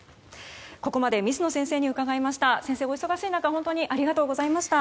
ここまで水野先生に伺いました。